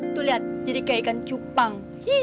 tuh lihat jadi kayak ikan cupang